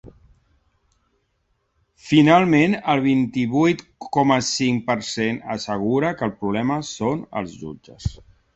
Finalment, el vint-i-vuit coma cinc per cent assegura que el problema són els jutges.